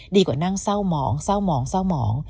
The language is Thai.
กว่านั่งเศร้าหมองเศร้าหมองเศร้าหมอง